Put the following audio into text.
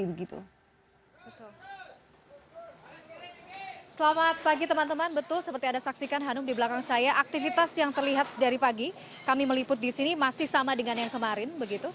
selamat pagi teman teman betul seperti anda saksikan hanum di belakang saya aktivitas yang terlihat dari pagi kami meliput di sini masih sama dengan yang kemarin